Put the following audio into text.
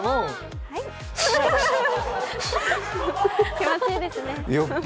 気持ちいいですね。